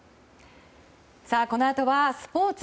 このあとはスポーツ。